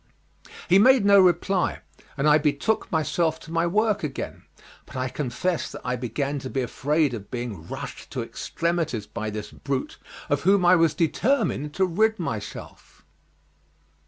He made no reply, and I betook myself to my work again, but I confess that I began to be afraid of being rushed to extremities by this brute, of whom I was determined to rid myself.